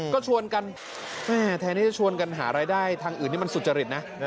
ก็ชวนกันแม่แทนที่จะชวนกันหารายได้ทางอื่นที่มันสุจริตนะ